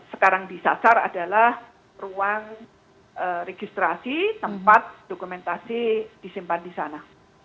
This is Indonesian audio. sekarang disasar adalah ruang registrasi tempat dokumentasi disimpan di sana